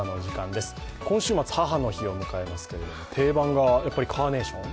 今週末、母の日を迎えますけれど定番がカーネーション？